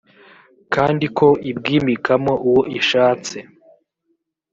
kandi ko ibwimikamo uwo ishatse